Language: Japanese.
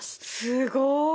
すごい。